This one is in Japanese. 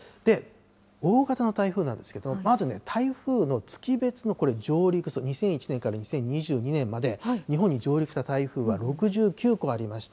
大型の台風なんですけれども、まずね、台風の月別のこれ、上陸数、２００１年から２０２２年まで、日本に上陸した台風は６９個ありました。